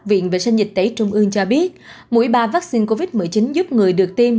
viện vệ sinh dịch tễ trung ương cho biết mỗi ba vaccine covid một mươi chín giúp người được tiêm